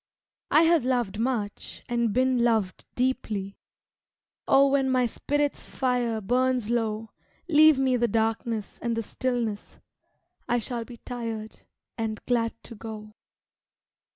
I have loved much and been loved deeply Oh when my spirit's fire burns low, Leave me the darkness and the stillness, I shall be tired and glad to go.